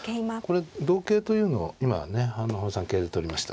これ同桂というのを今ね羽生さん桂で取りましたけど。